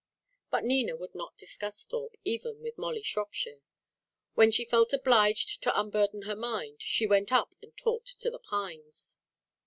But Nina would not discuss Thorpe even with Molly Shropshire. When she felt obliged to unburden her mind, she went up and talked to the pines.